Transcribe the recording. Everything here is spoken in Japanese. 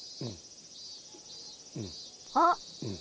あっ！